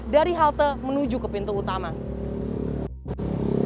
dari halte transjakarta ke pintu utama jis